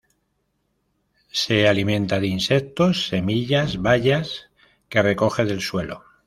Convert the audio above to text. Se alimenta de insectos, semillas, bayas, que recoge del suelo.